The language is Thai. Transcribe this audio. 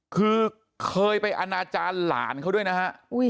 คือเคยไปอนาจารย์หลานเขาด้วยนะฮะ